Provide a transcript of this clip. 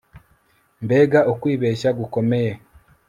Mbega ukwibeshya gukomeye